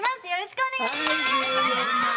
よろしくお願いします。